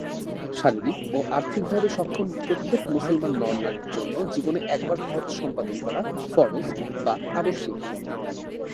শারীরিক ও আর্থিকভাবে সক্ষম প্রত্যেক মুসলমান নর-নারীর জন্য জীবনে একবার হজ সম্পাদন করা ফরজ বা আবশ্যিক।